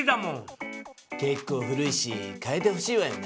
結構古いし変えてほしいわよね！